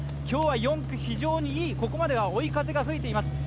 今日は４区、非常にいい、ここまでは追い風が吹いています。